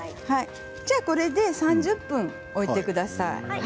これで３０分置いてください。